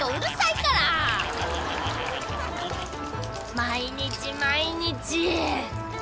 毎日毎日。